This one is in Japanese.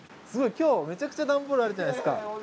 今日めちゃくちゃ段ボールあるじゃないですか！